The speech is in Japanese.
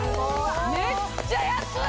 めっちゃ安い！